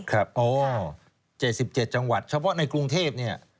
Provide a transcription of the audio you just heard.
ครับโอ้๗๗จังหวัดเฉพาะในกรุงเทพฯ